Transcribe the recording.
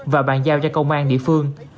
và bàn giao cho công an địa phương